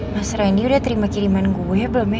mas randy udah terima kiriman gue belum ya